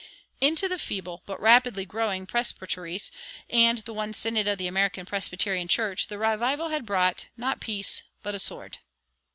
Into the feeble but rapidly growing presbyteries and the one synod of the American Presbyterian Church the revival had brought, not peace, but a sword.